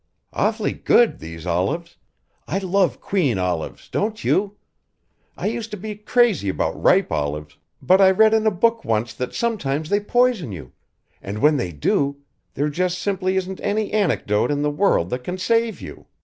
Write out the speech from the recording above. "Awful good these olives. I love queen olives, don't you. I used to be crazy about ripe olives, but I read in a book once that sometimes they poison you, and when they do there just simply isn't any anecdote in the world that can save you.